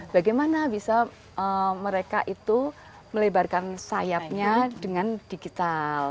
bagaimana bisa mereka itu melebarkan sayapnya dengan digital